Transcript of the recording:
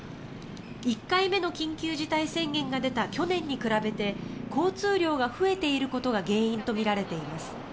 １回目の緊急事態宣言が出た去年に比べて交通量が増えていることが原因とみられています。